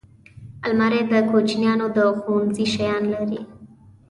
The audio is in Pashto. الماري د کوچنیانو د ښوونځي شیان لري